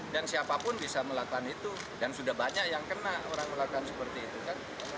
dan siapapun bisa melakukan itu dan sudah banyak yang kena orang melakukan seperti itu kan